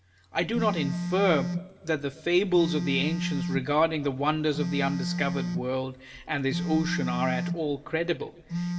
I do not infer that the fables of the ancients regarding the wonders of the undiscovered world and this ocean are at all credible.